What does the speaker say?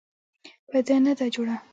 په ده نه ده جوړه.